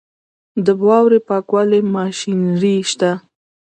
د واورې پاکولو ماشینري شته؟